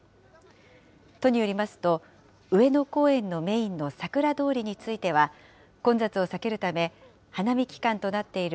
都によりますと、上野公園のメインのさくら通りについては、混雑を避けるため、花見期間となっている